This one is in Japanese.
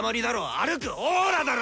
歩くオーラだろ！